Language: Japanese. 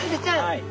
はい。